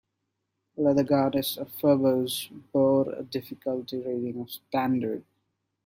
"Leather Goddesses of Phobos" bore a difficulty rating of "Standard".